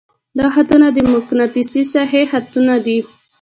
دا خطونه د مقناطیسي ساحې خطونه دي.